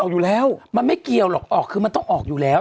อยู่แล้วมันไม่เกี่ยวหรอกออกคือมันต้องออกอยู่แล้ว